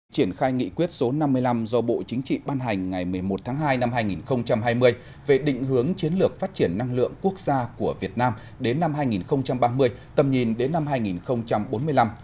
triển khai nghị quyết số năm mươi năm do bộ chính trị ban hành ngày một mươi một tháng hai năm hai nghìn hai mươi về định hướng chiến lược phát triển năng lượng quốc gia của việt nam đến năm hai nghìn ba mươi tầm nhìn đến năm hai nghìn bốn mươi năm